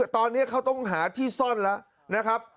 ตอนนี้เขาต้องหาที่ซ่อนแล้วนะครับ